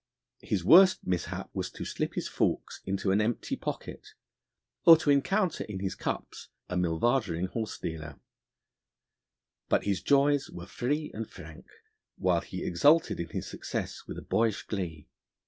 His worst mishap was to slip his forks into an empty pocket, or to encounter in his cups a milvadering horse dealer; but his joys were free and frank, while he exulted in his success with a boyish glee.